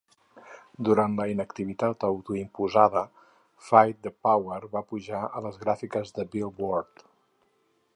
Durant la inactivitat autoimposada, "Fight the Power" va pujar a les gràfiques de "Billboard".